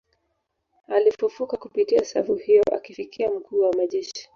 Alifufuka kupitia safu hiyo akifikia mkuu wa majeshi